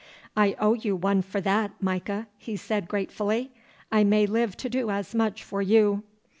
'I owe you one for that, Micah,' he said gratefully. 'I may live to do as much for you.